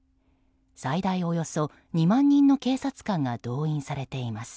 最大およそ２万人の警察官が動員されています。